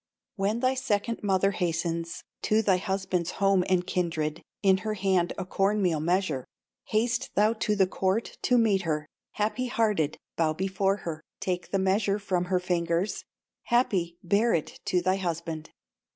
"When thy second mother hastens To thy husband's home and kindred, In her hand a corn meal measure, Haste thou to the court to meet her, Happy hearted, bow before her, Take the measure from her fingers, Happy, bear it to thy husband.